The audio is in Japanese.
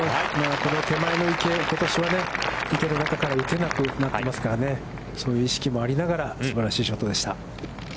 この手前の池、ことしはね、池の中から打てなくなってますからね、そういう意識もありながらのすばらしいショットでした。